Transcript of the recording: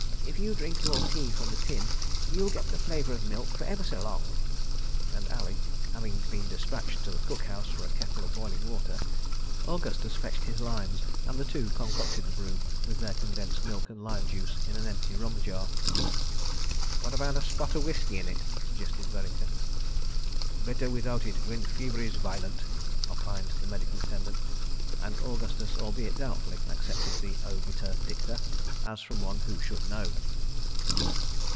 "If you drink your tea from the tin, you'll get the flavour of milk for ever so long," and Ali having been despatched to the cook house for a kettle of boiling water, Augustus fetched his limes and the two concocted the brew with their condensed milk and lime juice in an empty rum jar. "What about a spot of whisky in it?" suggested Vereker. "Better without it when fever is violent," opined the medical attendant, and Augustus, albeit doubtfully, accepted the obiter dicta, as from one who should know.